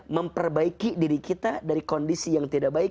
memperbaiki diri kita dari kondisi yang tidak baik